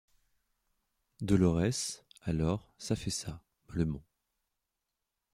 Dolorès, alors, s'affaissa, mollement.